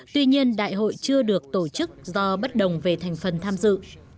tuy nhiên đại hội chưa được tổ chức do bất đồng về thành phần tham dự